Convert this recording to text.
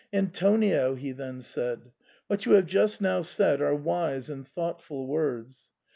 " Antonio," he then said, what you have just now said are wise and thoughtful words.